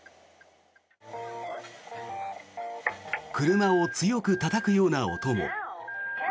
車を強くたたくような音も。